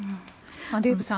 デーブさん